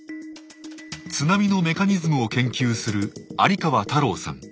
津波のメカニズムを研究する有川太郎さん。